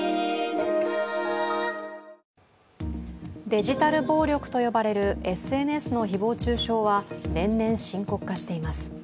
デジタル暴力と呼ばれるＳＮＳの誹謗中傷は年々深刻化しています。